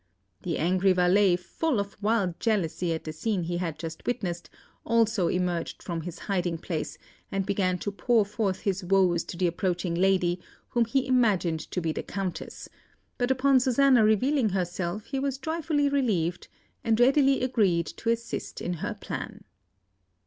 The angry valet, full of wild jealousy at the scene he had just witnessed, also emerged from his hiding place, and began to pour forth his woes to the approaching lady, whom he imagined to be the Countess; but upon Susanna revealing herself, he was joyfully relieved, and readily agreed to assist in her plan.